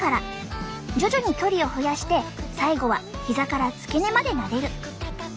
徐々に距離を増やして最後はひざから付け根までなでる。